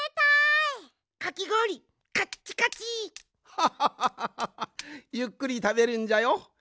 ハハハハハゆっくりたべるんじゃよ。